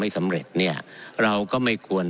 สำเร็จเนี่ยเราก็ไม่ควร